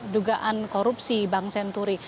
dugaan korupsi bank senturi